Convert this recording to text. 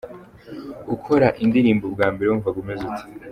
Ukora indirimbo bwa mbere wumvaga umeze ute?.